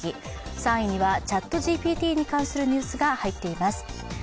３位には、ＣｈａｔＧＰＴに関するニュースが入っています。